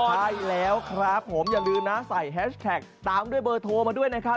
ใช่แล้วครับผมอย่าลืมนะใส่แฮชแท็กตามด้วยเบอร์โทรมาด้วยนะครับ